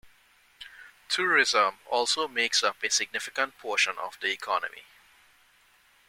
Tourism also makes up a significant portion of the economy.